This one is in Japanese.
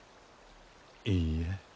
いいえ。